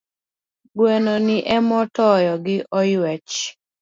Gweno ni ema otoyo gi oyuech.